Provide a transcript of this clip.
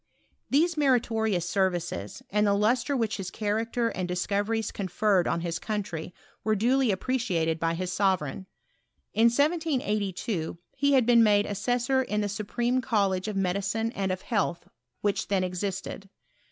These meritorions services, and the lustre which his character and discoveries conferred on his country were duly appreciated by his sovereign. In 1782 he had been made assessorin the Supreme Collegie of Medicine and of Health, which then existed.